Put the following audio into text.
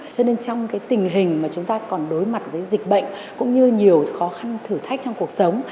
cho nên trong cái tình hình mà chúng ta còn đối mặt với dịch bệnh cũng như nhiều khó khăn thử thách trong cuộc sống